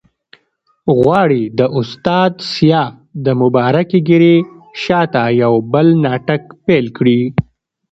غواړي د استاد سیاف د مبارکې ږیرې شاته یو بل ناټک پیل کړي.